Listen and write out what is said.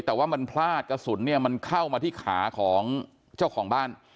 แต่ว่ามันพลาดกระสุนเนี่ยมันเข้ามาที่ขาของเจ้าของบ้าน